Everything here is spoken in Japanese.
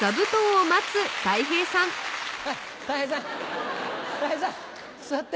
たい平さんたい平さん座って。